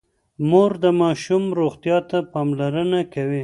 مور د ماشوم روغتيا ته پاملرنه کوي.